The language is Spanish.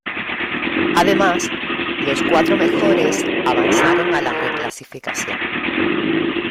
Además, los cuatro mejores avanzaron a la reclasificación.